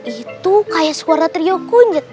itu kayak suara trio kunyit